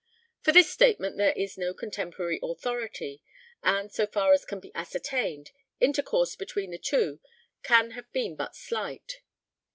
For this statement there is no contemporary authority, and, so far as can be ascertained, intercourse between the two can have been but slight.